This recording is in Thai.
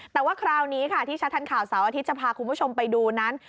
แต่ว่าคราวนี้ค่ะที่ชัดทันข่าวเสาร์อาทิตย์จะพาคุณผู้ชมไปดูนั้น